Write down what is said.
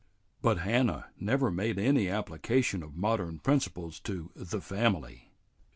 But Hannah never made any application of modern principles to "the family."